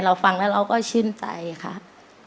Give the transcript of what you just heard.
เราฟังแล้วเราก็ชื่นใจครับ